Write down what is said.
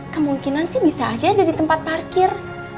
kemungkinan sih bisa aja ada di tempat parkir